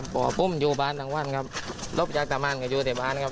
พบอยู่บ้านทั้งวันครับรบอยากตามรออยู่ที่บ้านครับ